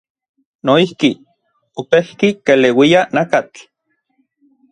Noijki, opejki keleuia nakatl.